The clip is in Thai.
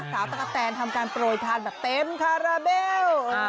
ตะกะแตนทำการโปรยทานแบบเต็มคาราเบล